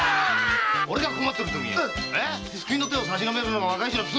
俺が困ってるときに救いの手を差し伸べるのが若い衆の務めじゃねえか！